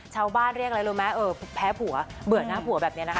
ชาวบ้านเรียกอะไรรู้ไหมเออแพ้ผัวเบื่อหน้าผัวแบบนี้นะคะ